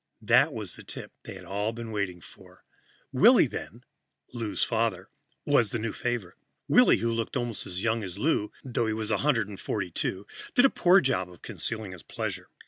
That was the tip they had all been waiting for. Willy, then Lou's father was the new favorite. Willy, who looked almost as young as Lou, though he was 142, did a poor job of concealing his pleasure.